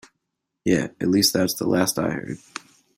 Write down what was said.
Yeah, at least that's the last I heard.